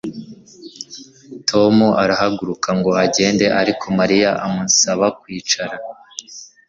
Tom arahaguruka ngo agende ariko Mariya amusaba kwicara